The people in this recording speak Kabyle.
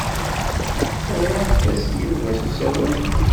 Teɣramt-as i Yuba s usawal.